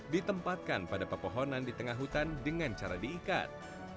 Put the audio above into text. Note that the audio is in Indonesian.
ditempatkan pada pepohonan di tengah hutan dengan cara diikat